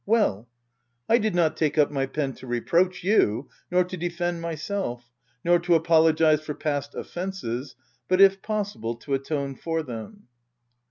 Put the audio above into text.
— Well !— I did not take up my pen to reproach you, nor to defend myself, nor to apologize for past offences, but, if possible, to atone for them.